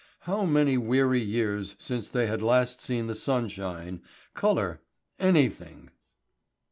How many weary years since they had last seen the sunshine, colour, anything?